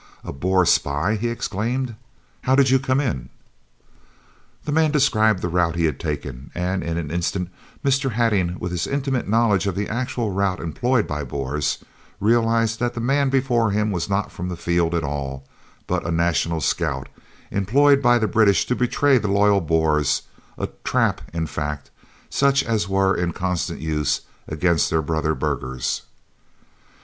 "A Boer spy!" he exclaimed. "How did you come in?" The man described the route he had taken, and in an instant Mr. Hattingh, with his intimate knowledge of the actual route employed by Boers, realised that the man before him was not from the field at all, but a National Scout, employed by the British to betray the loyal Boers a "trap," in fact, such as were in constant use against their brother burghers.